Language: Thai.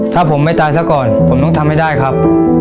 ถ้าผมไม่ตายซะก่อนผมต้องทำให้ได้ครับ